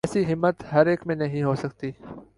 ایسی ہمت ہر ایک میں نہیں ہو سکتی۔